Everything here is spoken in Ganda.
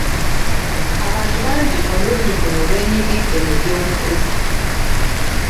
Abantu bangi omulundi guno beenyigidde mu by'obufuzi.